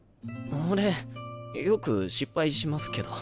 俺よく失敗しますけど。